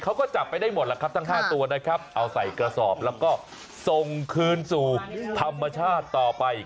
เขาก็จับไปได้หมดล่ะครับทั้ง๕ตัวนะครับเอาใส่กระสอบแล้วก็ส่งคืนสู่ธรรมชาติต่อไป